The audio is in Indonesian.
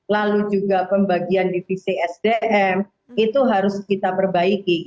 lalu juga pembagian divisi sdm itu harus kita perbaiki